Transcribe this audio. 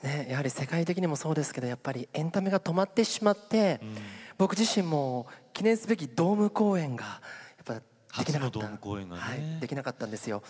世界的にもそうですが、エンタメが止まってしまって僕自身も記念すべきドーム公演ができなかったんです。